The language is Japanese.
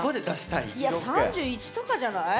いや３１とかじゃない？